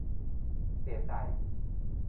เสียใจ